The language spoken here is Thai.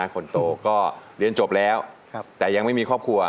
คนโตก็เรียนจบแล้วแต่ยังไม่มีครอบครัว